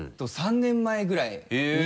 ３年前ぐらいに。